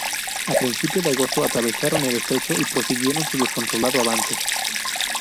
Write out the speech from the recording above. A principio de agosto atravesaron el estrecho y prosiguieron su descontrolado avance.